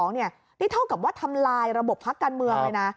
นี่เท่ากับว่าทำลายระบบพักการเมืองเลยนะ